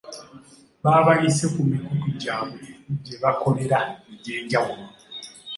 Baabayisa ku mikutu gyabwe gye bakolera egy'enjawulo.